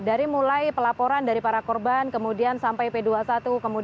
dari mulai pelaporan dari para korban kemudian sampai p dua puluh satu kemudian sampai di persidangan